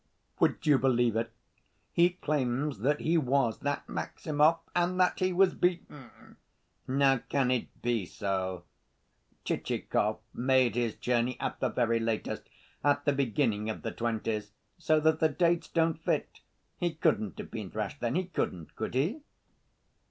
Would you believe it, he claims that he was that Maximov and that he was beaten! Now can it be so? Tchitchikov made his journey, at the very latest, at the beginning of the twenties, so that the dates don't fit. He couldn't have been thrashed then, he couldn't, could he?"